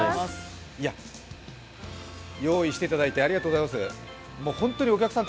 用意していただいてありがとうございます、本当にお客さん